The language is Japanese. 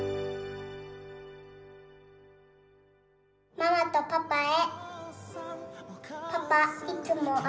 「ママとパパへ」。